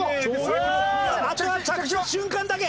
あとは着地の瞬間だけ！